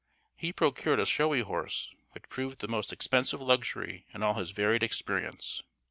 He procured a showy horse, which proved the most expensive luxury in all his varied experience.